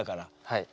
はい。